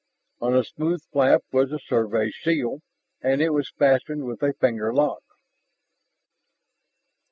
On the smooth flap was the Survey seal, and it was fastened with a finger lock.